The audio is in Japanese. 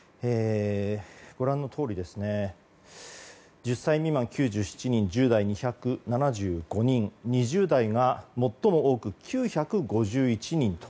ご覧のとおり、１０歳未満９７人１０代、２７５人２０代が最も多く９５１人と。